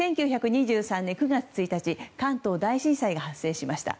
１９２３年９月１日関東大震災が発生しました。